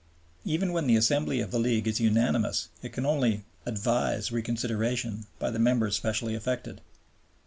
Even when the Assembly of the League is unanimous it can only "advise" reconsideration by the members specially affected.